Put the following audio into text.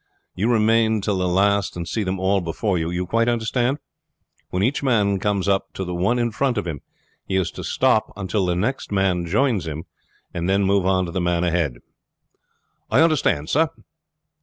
You remain till the last and see them all before you. You quite understand? When each man comes up to the one in front of him he is to stop until the next man joins him, and then move on to the man ahead." "I understand, sir."